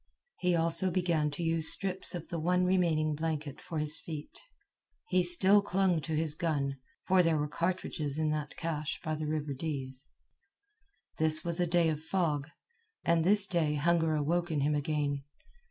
He also began to use strips of the one remaining blanket for his feet. He still clung to his gun, for there were cartridges in that cache by the river Dease. This was a day of fog, and this day hunger awoke in him again.